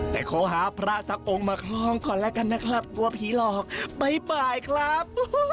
แต่ขอหาพระสักองค์มาครองก่อนแล้วกันนะครับกลัวผีหลอกบ่ายครับ